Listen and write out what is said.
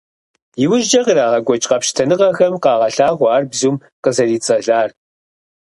Иужькӏэ ирагъэкӏуэкӏ къэпщытэныгъэхэм къагъэлъагъуэ ар бзум къызэрицӏэлар.